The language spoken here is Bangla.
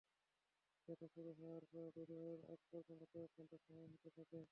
ব্যথা শুরু হওয়ার পরে ডেলিভারির আগে পর্যন্ত কয়েক ঘণ্টা সময় হাতে থাকে।